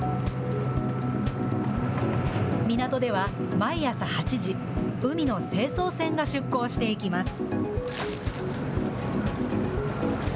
港では、毎朝８時、海の清掃船が出航していきます。